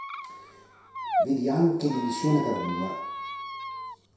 Vedi anche divisione per due.